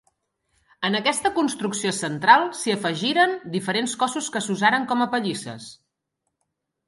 En aquesta construcció central s'hi afegiren diferents cossos que s'usaren com a pallisses.